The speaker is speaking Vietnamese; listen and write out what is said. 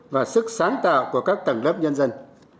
và sức sáng tạo của các tầng lớp nhân dân